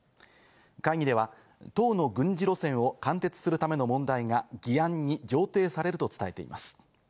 会議では党の軍事路線を貫徹するための問題が議案に上程されると伝えています。